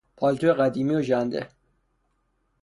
پالتو قدیمی و ژنده